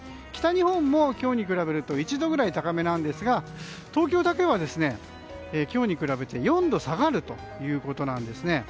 北日本も今日に比べると１度くらい高めなんですが東京だけは今日に比べて４度下がるということなんです。